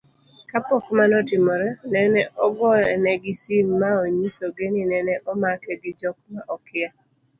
kapok mano otimore, nene ogoyonegi sim maonyisogi ni nene omake gi jok maokia